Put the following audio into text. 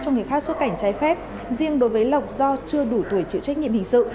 cho người khác xuất cảnh trái phép riêng đối với lộc do chưa đủ tuổi chịu trách nhiệm hình sự